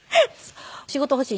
「仕事欲しい。